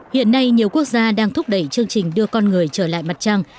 hiện nay nhiều quốc gia đang thúc đẩy chương trình đưa con người trở lại mặt trăng